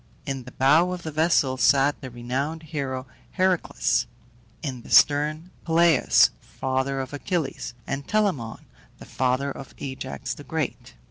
In the bow of the vessel sat the renowned hero Heracles; in the stern, Peleus (father of Achilles) and Telamon (the father of Ajax the Great).